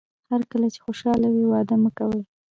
هر کله چې خوشاله وئ وعده مه کوئ.